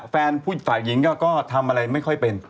ฝ่ายหญิงก็ทำอะไรไม่ค่อยเป็น